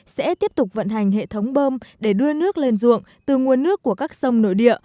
sẽ tiếp tục vận hành hệ thống bơm để đưa nước lên ruộng từ nguồn nước của các sông nội địa